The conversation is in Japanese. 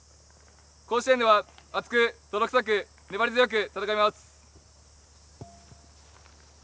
甲子園では「熱く、泥臭く、粘り強く」戦います。